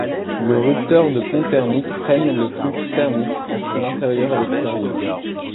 Le rupteur de pont thermique freine le flux thermique entre l’intérieur et l’extérieur.